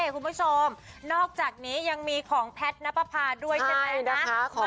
คุณผู้ชมนอกจากนี้ยังมีของแพทย์นับประพาด้วยใช่ไหม